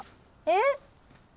えっ？